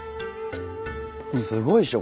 すごいでしょ？